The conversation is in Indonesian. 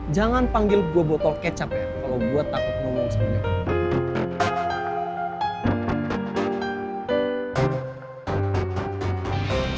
jangan panggil gue botol kecap ya kalau gue takut ngomong semuanya